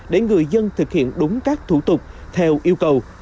để người dân thực hiện đúng các thủ tục theo yêu cầu